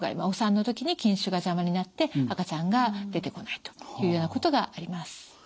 お産の時に筋腫が邪魔になって赤ちゃんが出てこないというようなことがあります。